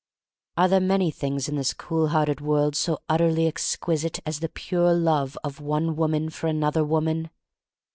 Are there many things in this cool hearted world so utterly exquisite as the pure love of one woman for an other woman?